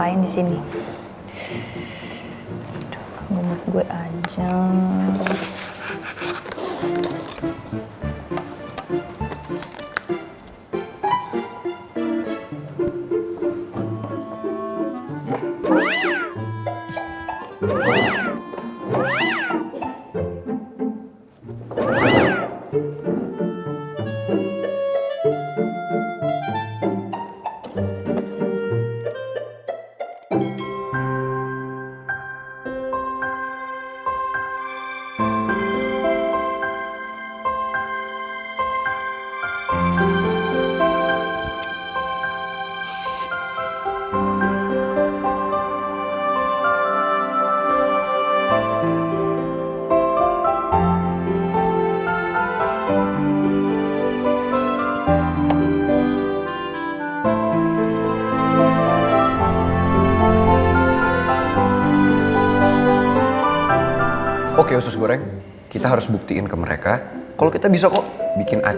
inilah ke oxidasi apa kabarnya pak mas